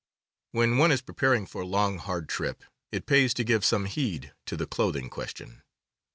When one is preparing for a long, hard trip, it pays to give some heed to the clothing question.